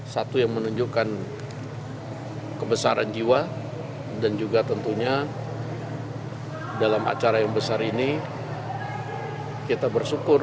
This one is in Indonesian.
satu yang menunjukkan kebesaran jiwa dan juga tentunya dalam acara yang besar ini kita bersyukur